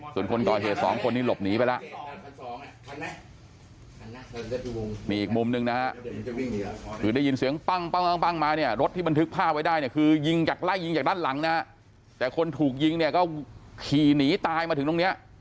ส่วนคนก่อเหตุ๒คนนี้หลบหนีไปแล้วมีอีกมุมนึงนะฮะคือได้ยินเสียงปั้งปั้งปั้งปั้งมาเนี่ย